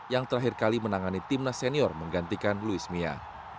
yang terakhir kali menangani tim nas senior menggantikan louis mia